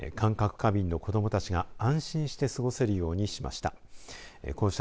過敏の子どもたちが安心して過ごせるようにしました。